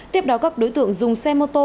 tiếp đó các đối tượng dùng xe mô tô